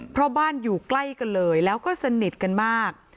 เพราะบ้านอยู่ใกล้กันเลยแล้วก็สนิทกันมาก